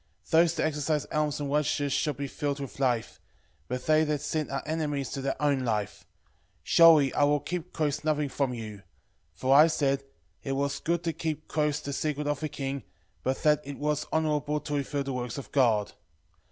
Those that exercise alms and righteousness shall be filled with life: 12:10 But they that sin are enemies to their own life. 12:11 Surely I will keep close nothing from you. For I said, It was good to keep close the secret of a king, but that it was honourable to reveal the works of God.